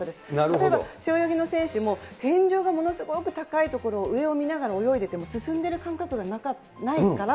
例えば背泳ぎの選手も、天井がものすごく高いところを、上を見ながら泳いでいても、進んでいる感覚がないから。